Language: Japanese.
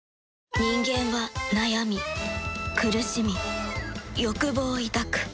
人間は悩み苦しみ欲望を抱く